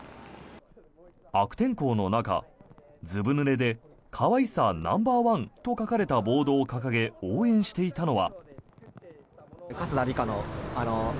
悪天候の中、ずぶぬれで可愛さナンバーワンと書かれたボードを掲げ応援していたのは。